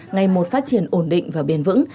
ngày một phát triển ổn định và bền vững